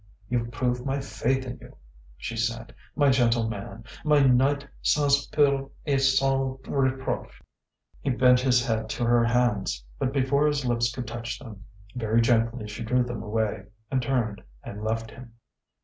"You've proved my faith in you," she said "my gentle man my knight sans peur et sans reproche!" He bent his head to her hands, but before his lips could touch them, very gently she drew them away, and turned and left him.